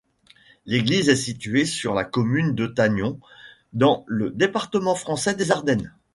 L'église est située sur la commune de Tagnon, dans le département français des Ardennes.